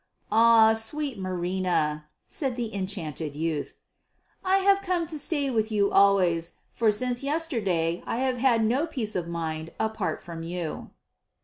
"Ah, sweet Marina," said the enchanted youth, "I have come to stay with you always, for since yesterday I have had no peace of mind apart from you."